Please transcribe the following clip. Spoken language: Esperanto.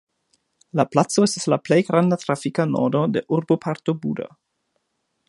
La placo estas la plej granda trafika nodo de urboparto Buda.